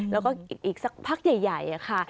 แล้วก็อีกสักพักใหญ่ค่ะ